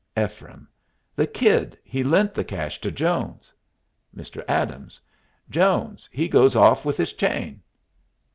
Ephraim. The kid, he lent the cash to Jones. Mr. Adams. Jones, he goes off with his chain.